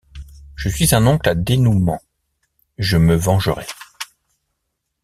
Je suis un oncle à dénoûment, je me vengerai.